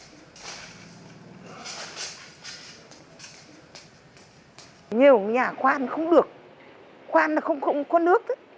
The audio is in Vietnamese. nhiều nhà quan không được khoan là không có nước